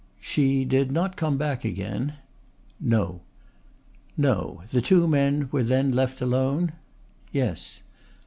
"She did not come back again?" "No." "No. The two men were then left alone?" "Yes."